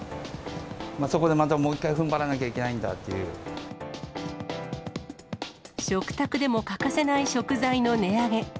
そこでまたもう一回、ふんばらな食卓でも欠かせない食材の値上げ。